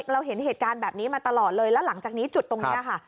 เราเห็นเหตุการณ์แบบนี้มาตลอดเลยแล้วหลังจากนี้จุดตรงนี้ค่ะ